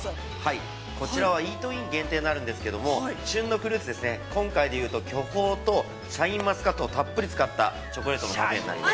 ◆こちらはイートイン限定になるんですけれども、旬のフルーツですね、今回で言うと、巨峰とシャインマスカットをたっぷり使った、パフェになります。